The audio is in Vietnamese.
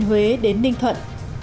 thừa thiên huế đến ninh thuận